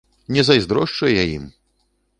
Не зайздрошчу я ім!